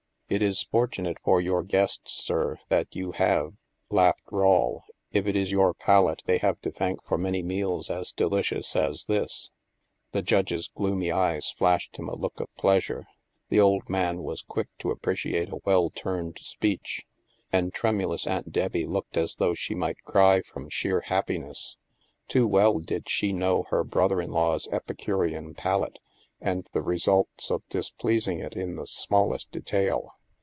"It is fortunate for your guests, sir, that you have," laughed Rawle, "if it is your palate they have to thank for many meals as delicious as this." The Judge's gloc«ny eyes flashed him a look of pleasure. The old man was quick to appreciate a well turned speech. And tremulous Aunt Debbie looked as though she might cry from sheer hap piness. Too well did she know her brother in law's Epicurean palate, and the results of displeasing it in the smallest detail.